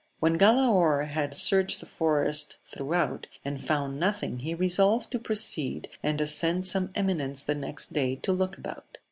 When Galaor had searched the forest throughout? and found nothing, he resolved to proceed, and ascer ^ some eminence the next day to look about.